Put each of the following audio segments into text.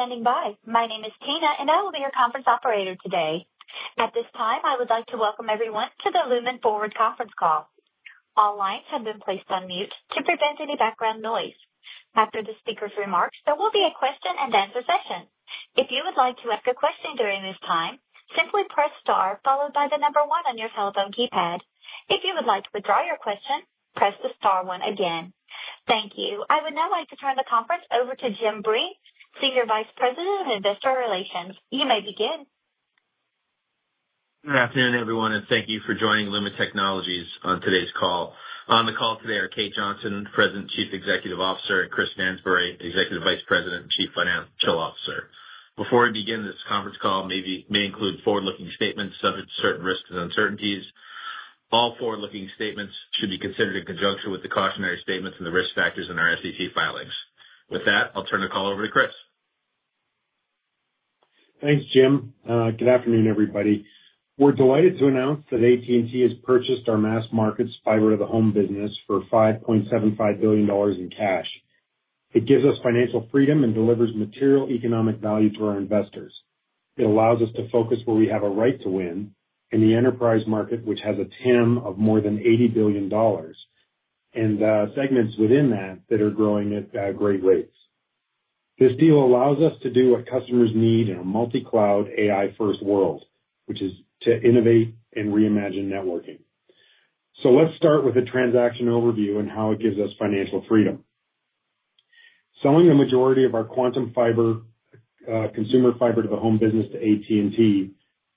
Thank you for standing by. My name is Tina, and I will be your conference operator today. At this time, I would like to welcome everyone to the Lumen Forward conference call. All lines have been placed on mute to prevent any background noise. After the speaker's remarks, there will be a question-and-answer session. If you would like to ask a question during this time, simply press star followed by the number one on your telephone keypad. If you would like to withdraw your question, press the star one again. Thank you. I would now like to turn the conference over to Jim Breen, Senior Vice President of Investor Relations. You may begin. Good afternoon, everyone, and thank you for joining Lumen Technologies on today's call. On the call today are Kate Johnson, President, Chief Executive Officer; Chris Stansbury, Executive Vice President and Chief Financial Officer. Before we begin, this conference call may include forward-looking statements of certain risks and uncertainties. All forward-looking statements should be considered in conjunction with the cautionary statements and the risk factors in our SEC filings. With that, I'll turn the call over to Chris. Thanks, Jim. Good afternoon, everybody. We're delighted to announce that AT&T has purchased our mass markets fiber-to-the-home business for $5.75 billion in cash. It gives us financial freedom and delivers material economic value to our investors. It allows us to focus where we have a right to win in the enterprise market, which has a TAM of more than $80 billion and segments within that that are growing at great rates. This deal allows us to do what customers need in a multi-cloud AI-first world, which is to innovate and reimagine networking. Let's start with a transaction overview and how it gives us financial freedom. Selling the majority of our Quantum Fiber, consumer fiber-to-the-home business to AT&T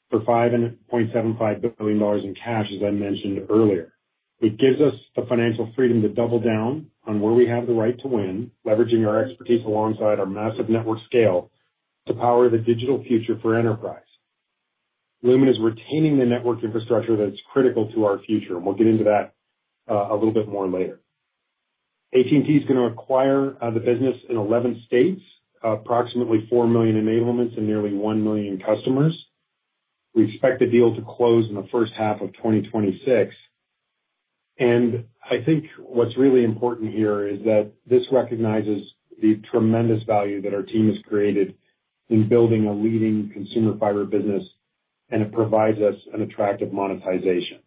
for $5.75 billion in cash, as I mentioned earlier, it gives us the financial freedom to double down on where we have the right to win, leveraging our expertise alongside our massive network scale to power the digital future for enterprise. Lumen is retaining the network infrastructure that's critical to our future, and we'll get into that a little bit more later. AT&T is going to acquire the business in 11 states, approximately 4 million enablements and nearly 1 million customers. We expect the deal to close in the first half of 2026. I think what's really important here is that this recognizes the tremendous value that our team has created in building a leading consumer fiber business, and it provides us an attractive monetization.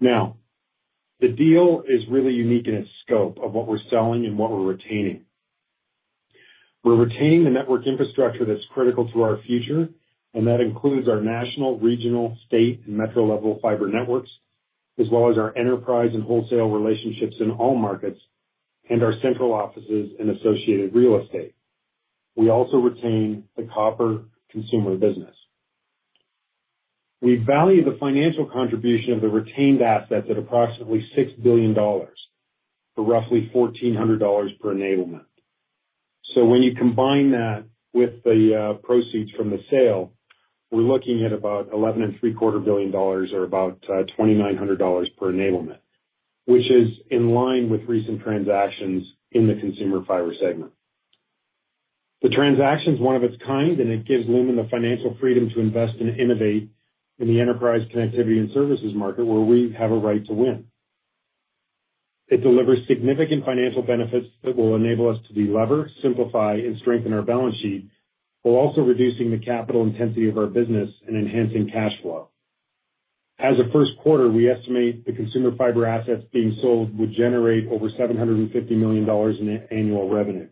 Now, the deal is really unique in its scope of what we're selling and what we're retaining. We're retaining the network infrastructure that's critical to our future, and that includes our national, regional, state, and metro-level fiber networks, as well as our enterprise and wholesale relationships in all markets and our central offices and associated real estate. We also retain the copper consumer business. We value the financial contribution of the retained assets at approximately $6 billion for roughly $1,400 per enablement. So when you combine that with the proceeds from the sale, we're looking at about $11.75 billion or about $2,900 per enablement, which is in line with recent transactions in the consumer fiber segment. The transaction is one of its kind, and it gives Lumen the financial freedom to invest and innovate in the enterprise connectivity and services market where we have a right to win. It delivers significant financial benefits that will enable us to deliver, simplify, and strengthen our balance sheet while also reducing the capital intensity of our business and enhancing cash flow. As a first quarter, we estimate the consumer fiber assets being sold would generate over $750 million in annual revenue.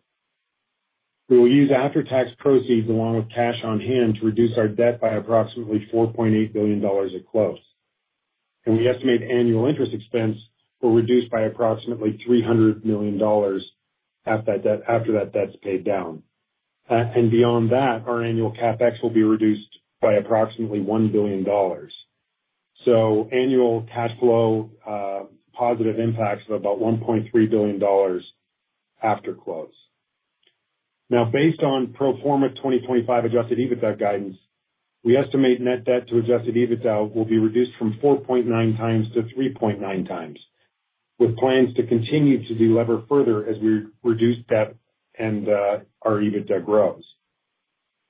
We will use after-tax proceeds along with cash on hand to reduce our debt by approximately $4.8 billion at close. We estimate annual interest expense will reduce by approximately $300 million after that debt's paid down. Beyond that, our annual CapEx will be reduced by approximately $1 billion. Annual cash flow positive impacts of about $1.3 billion after close. Now, based on pro forma 2025 adjusted EBITDA guidance, we estimate net debt to adjusted EBITDA will be reduced from 4.9 times to 3.9 times, with plans to continue to delever further as we reduce debt and our EBITDA grows.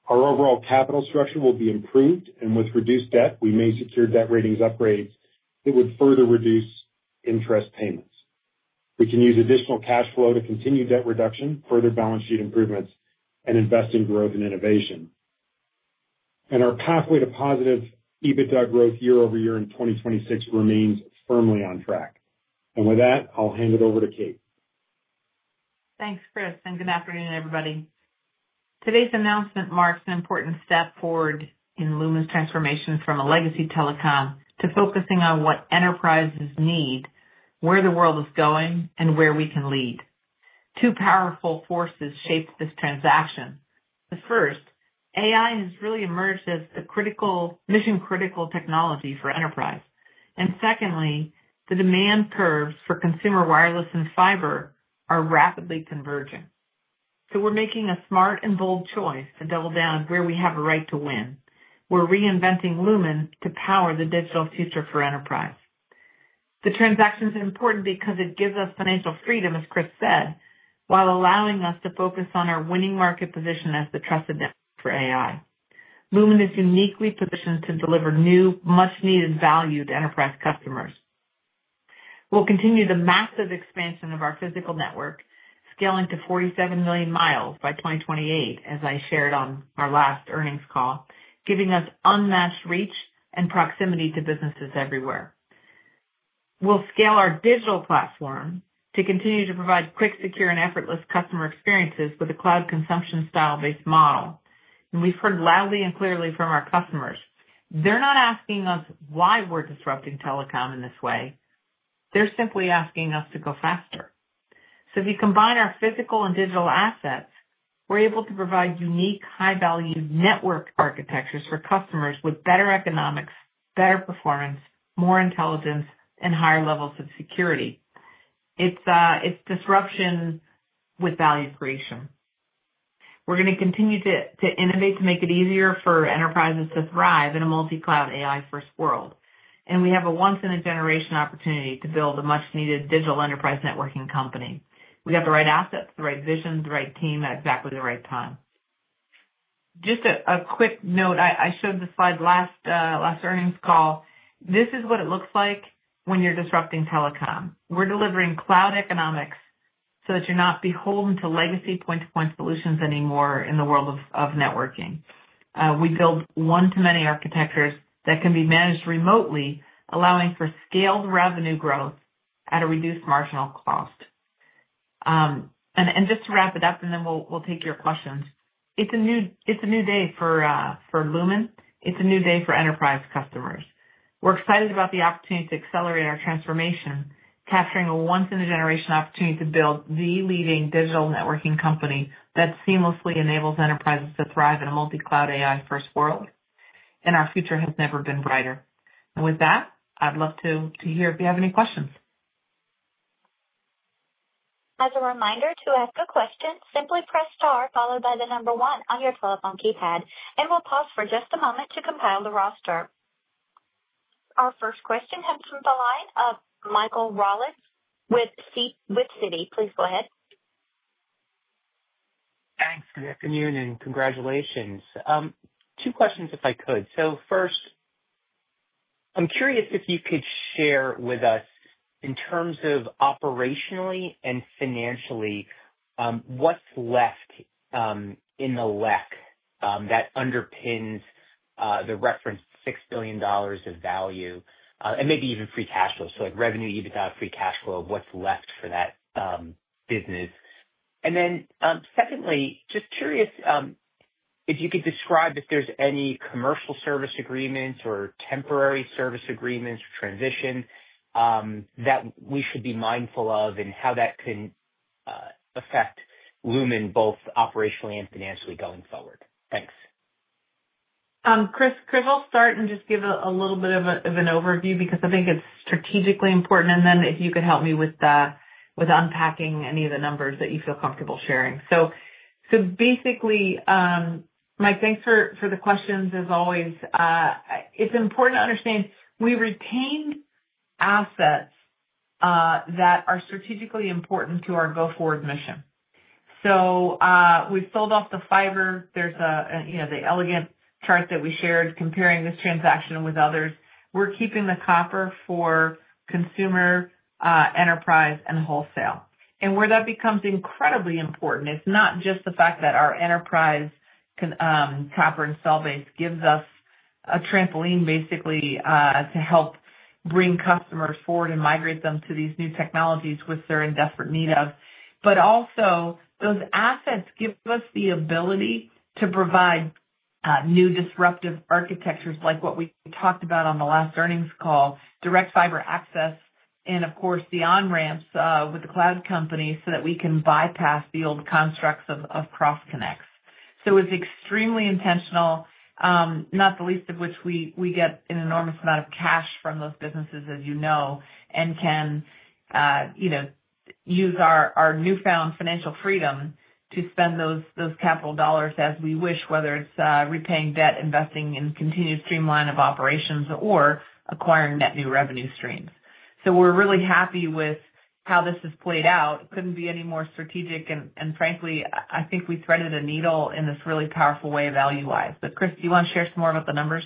Our overall capital structure will be improved, and with reduced debt, we may secure debt ratings upgrades that would further reduce interest payments. We can use additional cash flow to continue debt reduction, further balance sheet improvements, and invest in growth and innovation. Our pathway to positive EBITDA growth year over year in 2026 remains firmly on track. With that, I'll hand it over to Kate. Thanks, Chris. And good afternoon, everybody. Today's announcement marks an important step forward in Lumen's transformation from a legacy telecom to focusing on what enterprises need, where the world is going, and where we can lead. Two powerful forces shaped this transaction. The first, AI has really emerged as the mission-critical technology for enterprise. Secondly, the demand curves for consumer wireless and fiber are rapidly converging. We are making a smart and bold choice to double down on where we have a right to win. Where we are reinventing Lumen to power the digital future for enterprise. The transaction is important because it gives us financial freedom, as Chris said, while allowing us to focus on our winning market position as the trusted network for AI. Lumen is uniquely positioned to deliver new, much-needed value to enterprise customers. We'll continue the massive expansion of our physical network, scaling to 47 million miles by 2028, as I shared on our last earnings call, giving us unmatched reach and proximity to businesses everywhere. We will scale our digital platform to continue to provide quick, secure, and effortless customer experiences with a cloud consumption style-based model. We have heard loudly and clearly from our customers. They are not asking us why we are disrupting telecom in this way. They are simply asking us to go faster. If you combine our physical and digital assets, we are able to provide unique, high-value network architectures for customers with better economics, better performance, more intelligence, and higher levels of security. It is disruption with value creation. We are going to continue to innovate to make it easier for enterprises to thrive in a multi-cloud AI-first world. We have a once-in-a-generation opportunity to build a much-needed digital enterprise networking company. We have the right assets, the right vision, the right team at exactly the right time. Just a quick note. I showed the slide last earnings call. This is what it looks like when you're disrupting telecom. We're delivering cloud economics so that you're not beholden to legacy point-to-point solutions anymore in the world of networking. We build one-to-many architectures that can be managed remotely, allowing for scaled revenue growth at a reduced marginal cost. Just to wrap it up, and then we'll take your questions. It's a new day for Lumen. It's a new day for enterprise customers. We're excited about the opportunity to accelerate our transformation, capturing a once-in-a-generation opportunity to build the leading digital networking company that seamlessly enables enterprises to thrive in a multi-cloud AI-first world. Our future has never been brighter. With that, I'd love to hear if you have any questions. As a reminder to ask a question, simply press star followed by the number one on your telephone keypad. We will pause for just a moment to compile the roster. Our first question comes from the line of Michael Rawlins with Citi. Please go ahead. Thanks. Good afternoon and congratulations. Two questions if I could. First, I'm curious if you could share with us in terms of operationally and financially, what's left in the LEC that underpins the reference $6 billion of value and maybe even free cash flow. Revenue, EBITDA, free cash flow, what's left for that business. Secondly, just curious if you could describe if there's any commercial service agreements or temporary service agreements or transitions that we should be mindful of and how that can affect Lumen both operationally and financially going forward. Thanks. Chris, I'll start and just give a little bit of an overview because I think it's strategically important. If you could help me with unpacking any of the numbers that you feel comfortable sharing. Basically, Mike, thanks for the questions as always. It's important to understand we retained assets that are strategically important to our go-forward mission. We've sold off the fiber. There's the elegant chart that we shared comparing this transaction with others. We're keeping the copper for consumer, enterprise, and wholesale. Where that becomes incredibly important is not just the fact that our enterprise copper and cell base gives us a trampoline basically to help bring customers forward and migrate them to these new technologies which they're in desperate need of. But also, those assets give us the ability to provide new disruptive architectures like what we talked about on the last earnings call, direct fiber access, and of course, the on-ramps with the cloud companies so that we can bypass the old constructs of cross-connects. It is extremely intentional, not the least of which we get an enormous amount of cash from those businesses, as you know, and can use our newfound financial freedom to spend those capital dollars as we wish, whether it is repaying debt, investing in continued streamline of operations, or acquiring net new revenue streams. We are really happy with how this has played out. It could not be any more strategic. Frankly, I think we threaded a needle in this really powerful way value-wise. Chris, do you want to share some more about the numbers?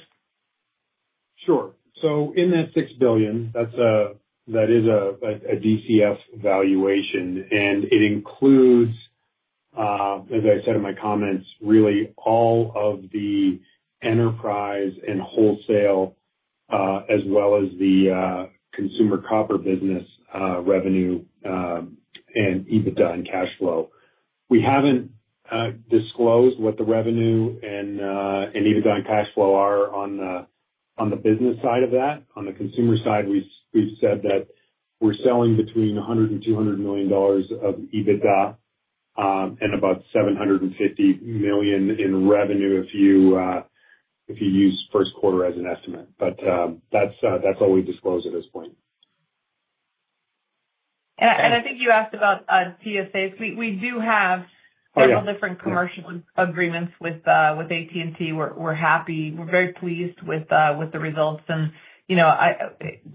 Sure. So in that $6 billion, that is a DCF valuation. It includes, as I said in my comments, really all of the enterprise and wholesale as well as the consumer copper business revenue and EBITDA and cash flow. We haven't disclosed what the revenue and EBITDA and cash flow are on the business side of that. On the consumer side, we've said that we're selling between $100 million and $200 million of EBITDA and about $750 million in revenue if you use first quarter as an estimate. That's all we disclose at this point. I think you asked about TSAs. We do have several different commercial agreements with AT&T. We're happy. We're very pleased with the results. I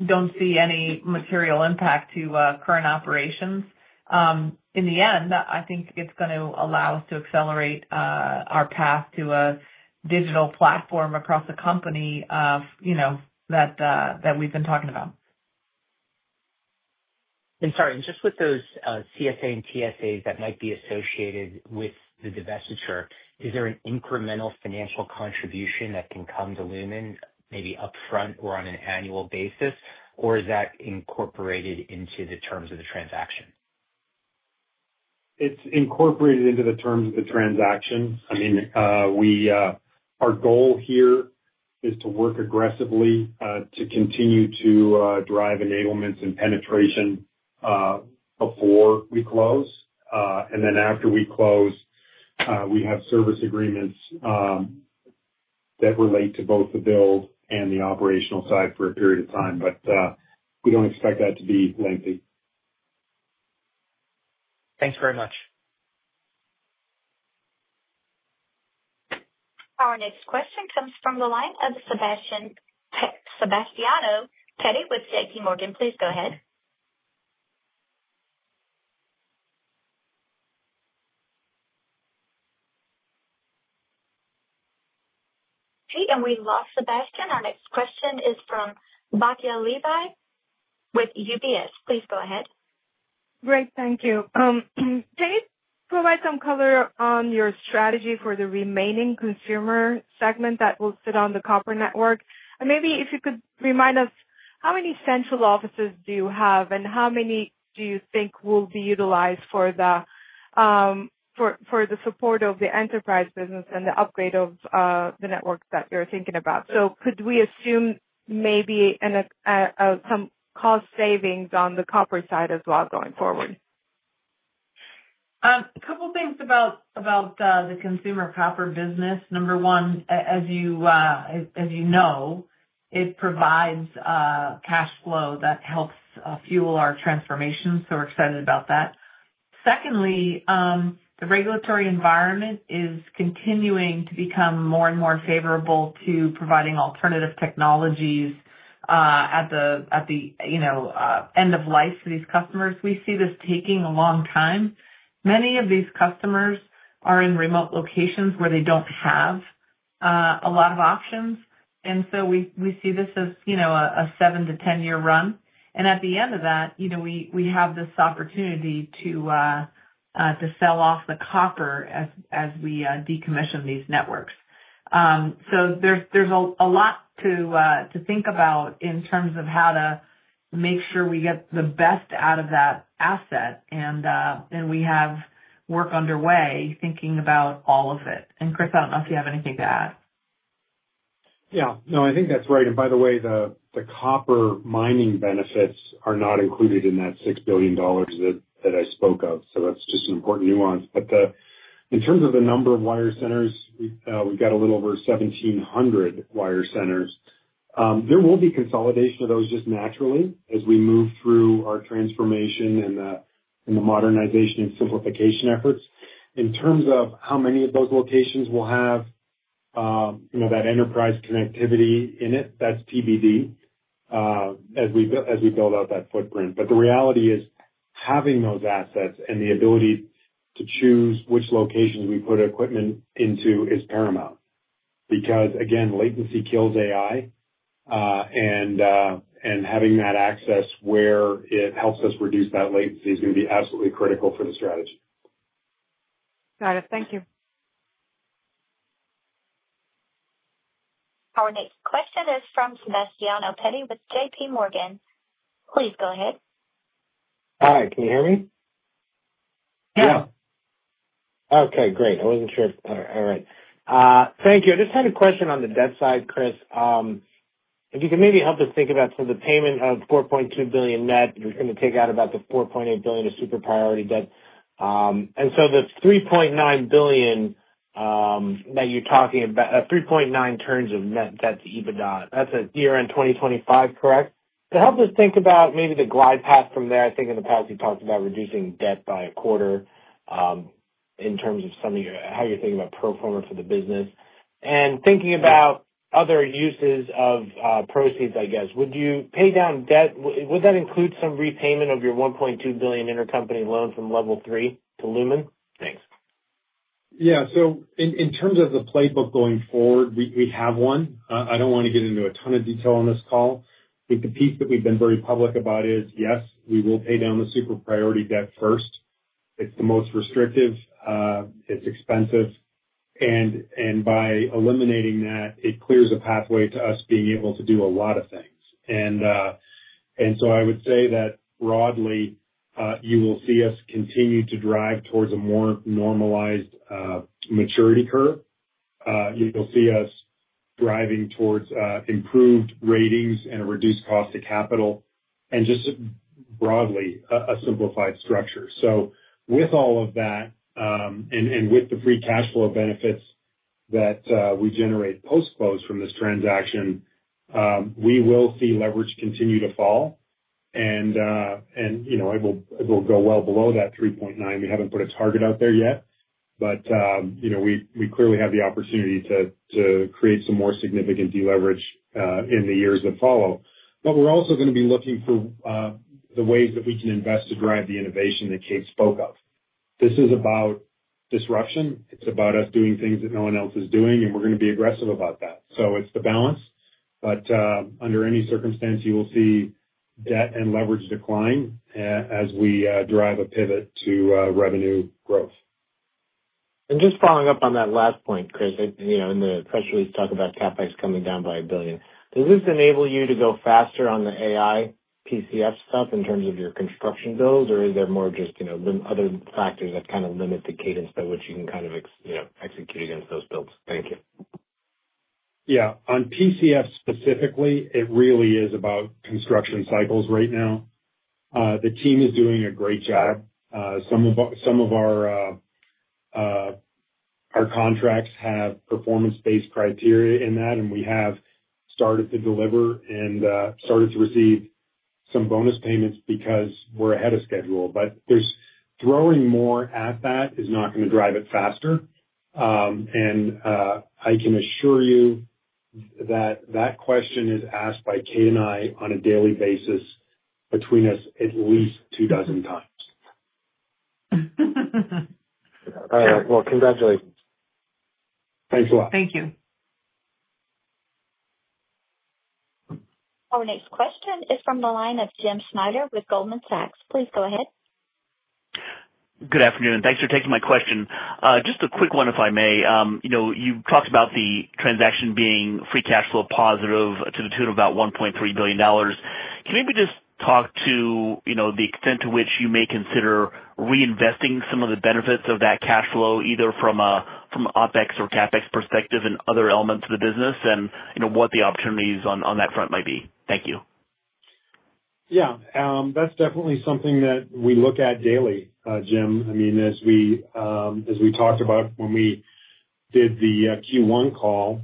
don't see any material impact to current operations. In the end, I think it's going to allow us to accelerate our path to a digital platform across the company that we've been talking about. Sorry, just with those CSA and TSAs that might be associated with the divestiture, is there an incremental financial contribution that can come to Lumen maybe upfront or on an annual basis, or is that incorporated into the terms of the transaction? It's incorporated into the terms of the transaction. I mean, our goal here is to work aggressively to continue to drive enablements and penetration before we close. After we close, we have service agreements that relate to both the build and the operational side for a period of time. We do not expect that to be lengthy. Thanks very much. Our next question comes from the line of Sebastiano Petty with JPMorgan. Please go ahead. Okay. We lost Sebastiano. Our next question is from Bathia Levi with UBS. Please go ahead. Great. Thank you. Can you provide some color on your strategy for the remaining consumer segment that will sit on the copper network? And maybe if you could remind us, how many central offices do you have and how many do you think will be utilized for the support of the enterprise business and the upgrade of the network that you're thinking about? Could we assume maybe some cost savings on the copper side as well going forward? A couple of things about the consumer copper business. Number one, as you know, it provides cash flow that helps fuel our transformation. We are excited about that. Secondly, the regulatory environment is continuing to become more and more favorable to providing alternative technologies at the end of life for these customers. We see this taking a long time. Many of these customers are in remote locations where they do not have a lot of options. We see this as a 7-10 year run. At the end of that, we have this opportunity to sell off the copper as we decommission these networks. There is a lot to think about in terms of how to make sure we get the best out of that asset. We have work underway thinking about all of it. Chris, I do not know if you have anything to add. Yeah. No, I think that's right. By the way, the copper mining benefits are not included in that $6 billion that I spoke of. That's just an important nuance. In terms of the number of wire centers, we've got a little over 1,700 wire centers. There will be consolidation of those just naturally as we move through our transformation and the modernization and simplification efforts. In terms of how many of those locations will have that enterprise connectivity in it, that's TBD as we build out that footprint. The reality is having those assets and the ability to choose which locations we put equipment into is paramount because, again, latency kills AI. Having that access where it helps us reduce that latency is going to be absolutely critical for the strategy. Got it. Thank you. Our next question is from Sebastiano Petty with JPMorgan. Please go ahead. Hi. Can you hear me? Yeah. Yeah. Okay. Great. I wasn't sure. All right. Thank you. I just had a question on the debt side, Chris. If you could maybe help us think about, so the payment of $4.2 billion net, you're going to take out about the $4.8 billion of super priority debt. And so the $3.9 billion that you're talking about, 3.9 turns of net debt to EBITDA, that's a year-end 2025, correct? To help us think about maybe the glide path from there, I think in the past we talked about reducing debt by a quarter in terms of how you're thinking about pro forma for the business. And thinking about other uses of proceeds, I guess, would you pay down debt? Would that include some repayment of your $1.2 billion intercompany loan from Level 3 to Lumen? Thanks. Yeah. In terms of the playbook going forward, we have one. I do not want to get into a ton of detail on this call. The piece that we have been very public about is, yes, we will pay down the super priority debt first. It is the most restrictive. It is expensive. By eliminating that, it clears a pathway to us being able to do a lot of things. I would say that broadly, you will see us continue to drive towards a more normalized maturity curve. You will see us driving towards improved ratings and a reduced cost of capital. Just broadly, a simplified structure. With all of that and with the free cash flow benefits that we generate post-close from this transaction, we will see leverage continue to fall. It will go well below that 3.9. We have not put a target out there yet. We clearly have the opportunity to create some more significant deleverage in the years that follow. We are also going to be looking for the ways that we can invest to drive the innovation that Kate spoke of. This is about disruption. It is about us doing things that no one else is doing. We are going to be aggressive about that. It is the balance. Under any circumstance, you will see debt and leverage decline as we drive a pivot to revenue growth. Just following up on that last point, Chris, in the press release talking about CapEx coming down by $1 billion, does this enable you to go faster on the AI PCF stuff in terms of your construction builds? Or is there more just other factors that kind of limit the cadence by which you can kind of execute against those builds? Thank you. Yeah. On PCF specifically, it really is about construction cycles right now. The team is doing a great job. Some of our contracts have performance-based criteria in that. We have started to deliver and started to receive some bonus payments because we're ahead of schedule. Throwing more at that is not going to drive it faster. I can assure you that that question is asked by Kate and I on a daily basis between us at least two dozen times. All right. Congratulations. Thanks a lot. Thank you. Our next question is from the line of Jim Snyder with Goldman Sachs. Please go ahead. Good afternoon. Thanks for taking my question. Just a quick one if I may. You talked about the transaction being free cash flow positive to the tune of about $1.3 billion. Can we just talk to the extent to which you may consider reinvesting some of the benefits of that cash flow either from an OpEx or CapEx perspective and other elements of the business and what the opportunities on that front might be? Thank you. Yeah. That's definitely something that we look at daily, Jim. I mean, as we talked about when we did the Q1 call,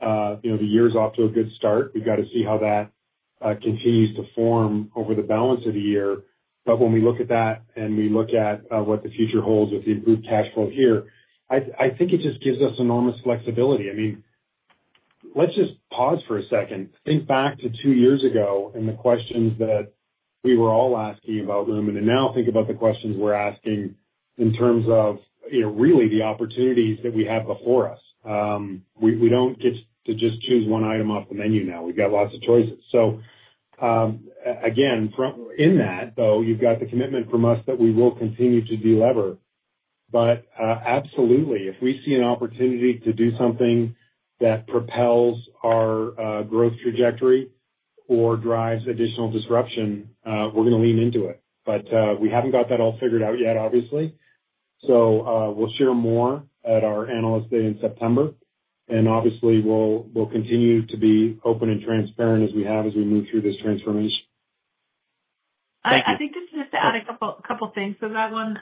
the year's off to a good start. We've got to see how that continues to form over the balance of the year. When we look at that and we look at what the future holds with the improved cash flow here, I think it just gives us enormous flexibility. I mean, let's just pause for a second, think back to two years ago and the questions that we were all asking about Lumen. Now think about the questions we're asking in terms of really the opportunities that we have before us. We don't get to just choose one item off the menu now. We've got lots of choices. Again, in that, though, you've got the commitment from us that we will continue to deliver. Absolutely, if we see an opportunity to do something that propels our growth trajectory or drives additional disruption, we're going to lean into it. We haven't got that all figured out yet, obviously. We'll share more at our analyst day in September. Obviously, we'll continue to be open and transparent as we have as we move through this transformation. I think just to add a couple of things. That one,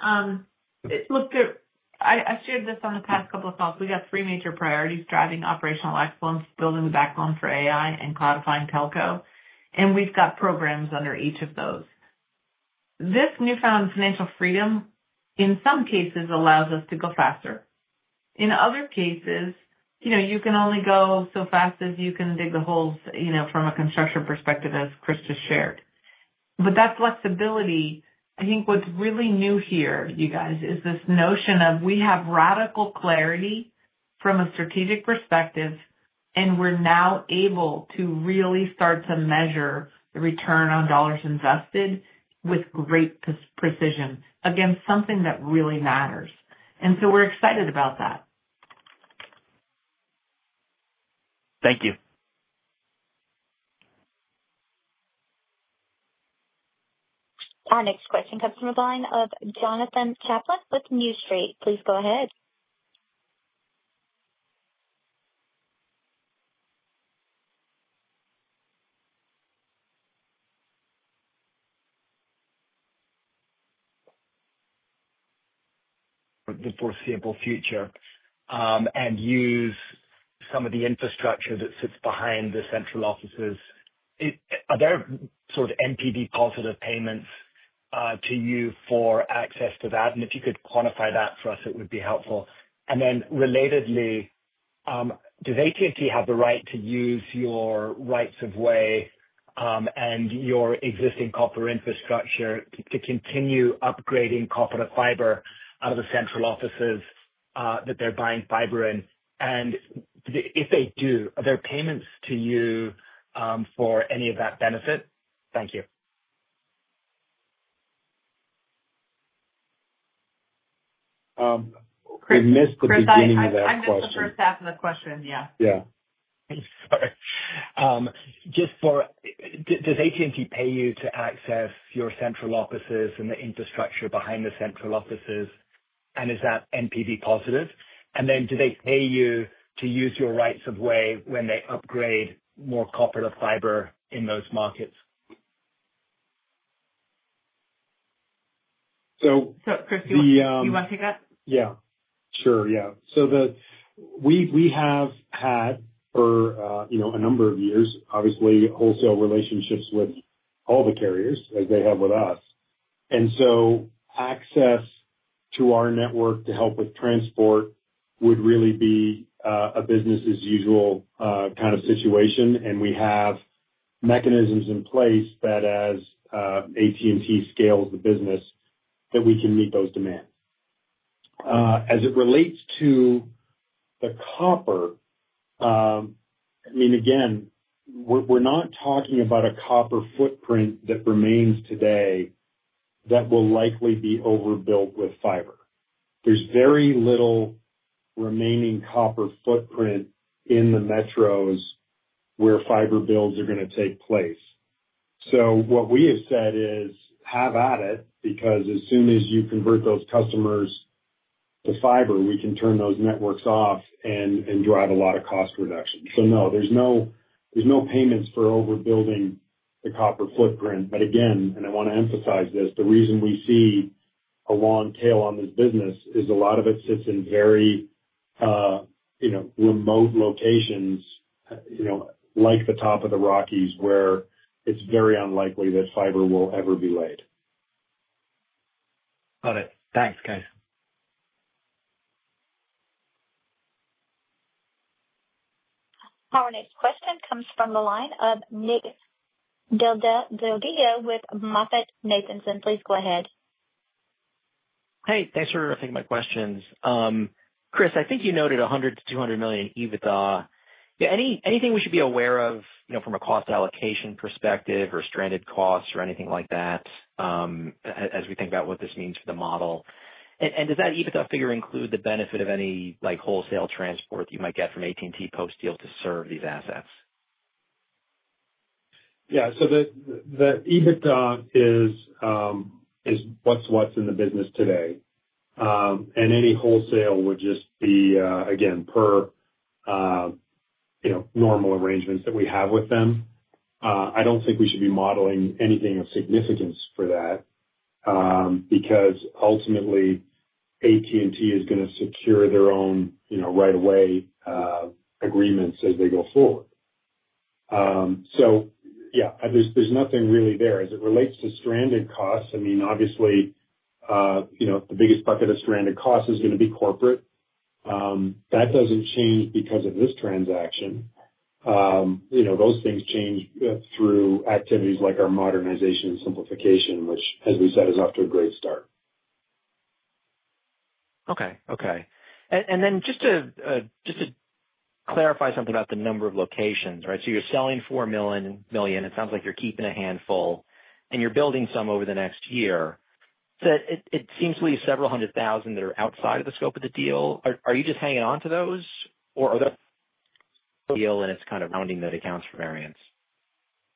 I shared this on the past couple of calls. We got three major priorities: driving operational excellence, building the backbone for AI, and cloudifying telco. We have programs under each of those. This newfound financial freedom, in some cases, allows us to go faster. In other cases, you can only go so fast as you can dig the holes from a construction perspective, as Chris just shared. That flexibility, I think what is really new here, you guys, is this notion of we have radical clarity from a strategic perspective, and we are now able to really start to measure the return on dollars invested with great precision. Again, something that really matters. We are excited about that. Thank you. Our next question comes from the line of Jonathan Chaplin with NewStreet. Please go ahead. The foreseeable future and use some of the infrastructure that sits behind the central offices, are there sort of NPD-positive payments to you for access to that? If you could quantify that for us, it would be helpful. Relatedly, does AT&T have the right to use your rights of way and your existing copper infrastructure to continue upgrading copper to fiber out of the central offices that they're buying fiber in? If they do, are there payments to you for any of that benefit? Thank you. Chris, I missed the beginning of that question. I missed the first half of the question, yeah. Yeah. Sorry. Does AT&T pay you to access your central offices and the infrastructure behind the central offices? Is that NPV-positive? Do they pay you to use your rights of way when they upgrade more copper to fiber in those markets? Chris, do you want to take that? Yeah. Sure. Yeah. So we have had for a number of years, obviously, wholesale relationships with all the carriers as they have with us. Access to our network to help with transport would really be a business-as-usual kind of situation. We have mechanisms in place that as AT&T scales the business, we can meet those demands. As it relates to the copper, I mean, again, we're not talking about a copper footprint that remains today that will likely be overbuilt with fiber. There is very little remaining copper footprint in the metros where fiber builds are going to take place. What we have said is have at it because as soon as you convert those customers to fiber, we can turn those networks off and drive a lot of cost reduction. No, there are no payments for overbuilding the copper footprint. Again, and I want to emphasize this, the reason we see a long tail on this business is a lot of it sits in very remote locations like the top of the Rocky Mountains where it's very unlikely that fiber will ever be laid. Got it. Thanks, guys. Our next question comes from the line of Nick Del Deo with MoffettNathanson. Please go ahead. Hey, thanks for thinking about questions. Chris, I think you noted $100 million to $200 million EBITDA. Yeah. Anything we should be aware of from a cost allocation perspective or stranded costs or anything like that as we think about what this means for the model? Does that EBITDA figure include the benefit of any wholesale transport that you might get from AT&T Postal to serve these assets? Yeah. The EBITDA is what's in the business today. Any wholesale would just be, again, per normal arrangements that we have with them. I don't think we should be modeling anything of significance for that because ultimately, AT&T is going to secure their own right-of-way agreements as they go forward. There's nothing really there. As it relates to stranded costs, I mean, obviously, the biggest bucket of stranded costs is going to be corporate. That doesn't change because of this transaction. Those things change through activities like our modernization and simplification, which, as we said, is off to a great start. Okay. Okay. Just to clarify something about the number of locations, right? You are selling 4 million. It sounds like you are keeping a handful, and you are building some over the next year. It seems to be several hundred thousand that are outside of the scope of the deal. Are you just hanging on to those? Or are there other deals and it is kind of rounding those accounts for variance?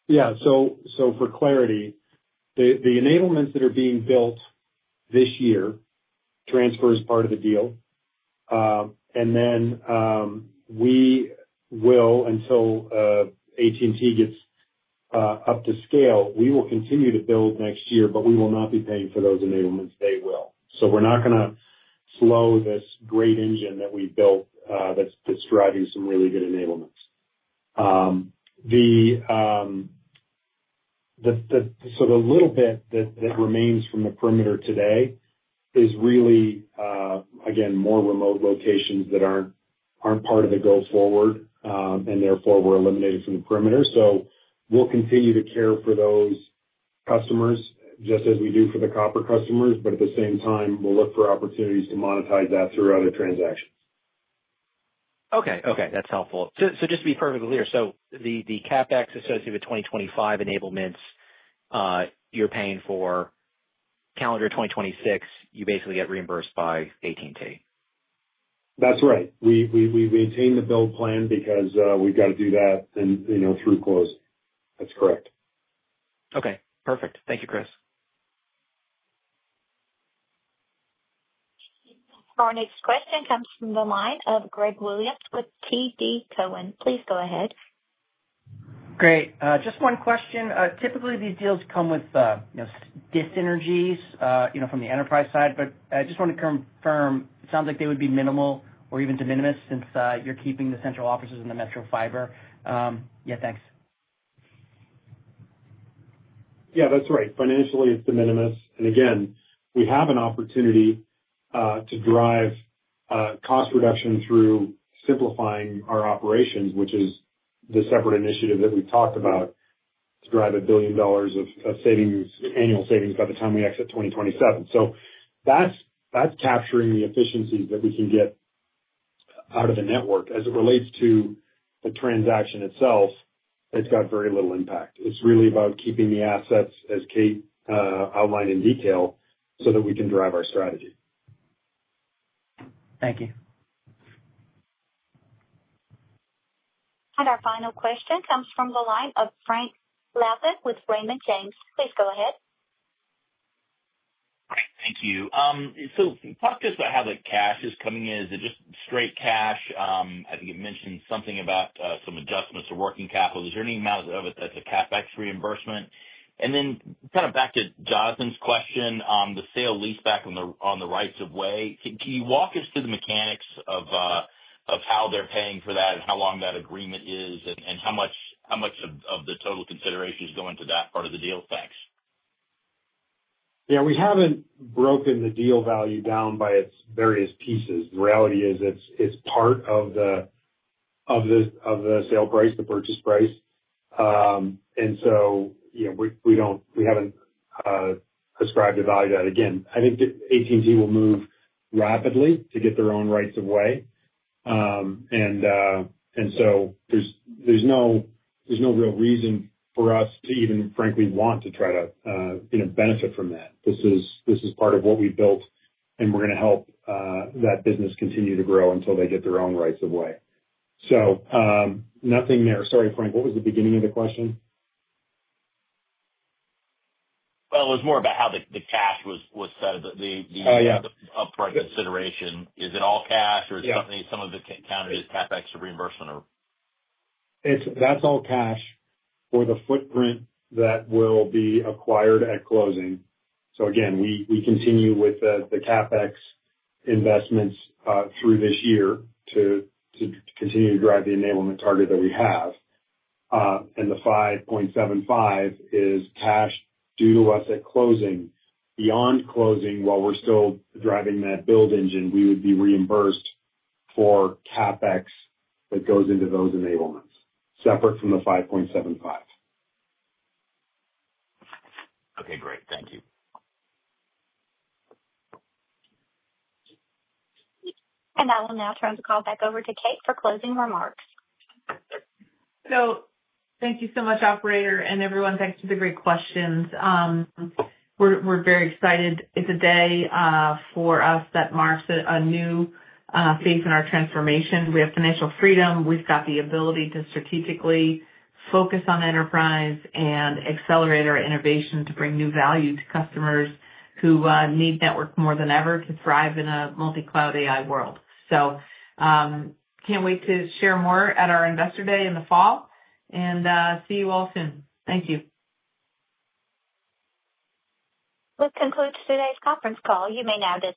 Yeah. For clarity, the enablements that are being built this year transfer as part of the deal. We will, until AT&T gets up to scale, continue to build next year, but we will not be paying for those enablements. They will. We are not going to slow this great engine that we have built that is driving some really good enablements. The little bit that remains from the perimeter today is really, again, more remote locations that are not part of the go-forward. Therefore, we are eliminated from the perimeter. We will continue to care for those customers just as we do for the copper customers. At the same time, we will look for opportunities to monetize that through other transactions. Okay. Okay. That's helpful. Just to be perfectly clear, the CapEx associated with 2025 enablements, you're paying for calendar 2026, you basically get reimbursed by AT&T. That's right. We maintain the build plan because we've got to do that through close. That's correct. Okay. Perfect. Thank you, Chris. Our next question comes from the line of Greg Williams with TD Cowen. Please go ahead. Great. Just one question. Typically, these deals come with disenergies from the enterprise side. I just want to confirm, it sounds like they would be minimal or even de minimis since you're keeping the central offices and the metro fiber. Yeah, thanks. Yeah, that's right. Financially, it's de minimis. Again, we have an opportunity to drive cost reduction through simplifying our operations, which is the separate initiative that we've talked about to drive $1 billion of annual savings by the time we exit 2027. That's capturing the efficiencies that we can get out of the network. As it relates to the transaction itself, it's got very little impact. It's really about keeping the assets, as Kate outlined in detail, so that we can drive our strategy. Thank you. Our final question comes from the line of Frank Lassit with Raymond James. Please go ahead. All right. Thank you. Talk to us about how the cash is coming in. Is it just straight cash? I think you mentioned something about some adjustments to working capital. Is there any amount of it that's a CapEx reimbursement? Kind of back to Jonathan's question, the sale lease back on the rights of way, can you walk us through the mechanics of how they're paying for that and how long that agreement is and how much of the total consideration is going to that part of the deal? Thanks. Yeah. We haven't broken the deal value down by its various pieces. The reality is it's part of the sale price, the purchase price. We haven't ascribed a value to that. Again, I think AT&T will move rapidly to get their own rights of way. There's no real reason for us to even, frankly, want to try to benefit from that. This is part of what we built, and we're going to help that business continue to grow until they get their own rights of way. Nothing there. Sorry, Frank, what was the beginning of the question? It was more about how the cash was set at the upfront consideration. Is it all cash, or is some of it counted as CapEx or reimbursement, or? That's all cash for the footprint that will be acquired at closing. We continue with the CapEx investments through this year to continue to drive the enablement target that we have. The $5.75 billion is cash due to us at closing. Beyond closing, while we're still driving that build engine, we would be reimbursed for CapEx that goes into those enablements separate from the $5.75 billion. Okay. Great. Thank you. I will now turn the call back over to Kate for closing remarks. Thank you so much, operator, and everyone. Thanks for the great questions. We're very excited. It's a day for us that marks a new phase in our transformation. We have financial freedom. We've got the ability to strategically focus on enterprise and accelerate our innovation to bring new value to customers who need network more than ever to thrive in a multi-cloud AI world. Can't wait to share more at our investor day in the fall and see you all soon. Thank you. This concludes today's conference call. You may now disconnect.